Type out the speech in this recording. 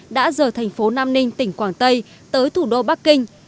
đã rời thành phố nam ninh tỉnh quảng tây tới thủ đô bắc kinh